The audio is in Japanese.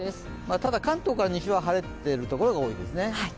ただ、関東から西から晴れている所が多いですね。